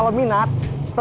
itu dia bu